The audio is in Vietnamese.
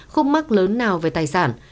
không mắc lớn nào về tài sản